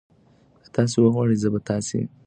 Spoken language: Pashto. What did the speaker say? که تاسي وغواړئ زه به تاسي ته دا اپلیکیشن درکړم.